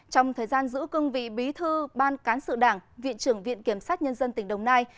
trong thời gian giữ cương vị bí thư ban cán sự đảng viện trưởng viện kiểm sát nhân dân tỉnh đồng nai